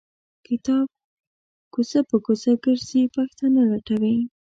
کتاب کوڅه په کوڅه ګرځي پښتانه لټوي.